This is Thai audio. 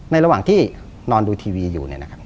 ในระหว่างที่นอนดูทีวีอยู่